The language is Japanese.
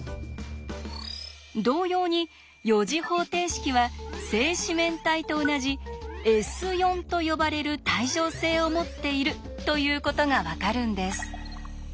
同様に４次方程式は正四面体と同じ「Ｓ」と呼ばれる対称性を持っているということが分かるんです。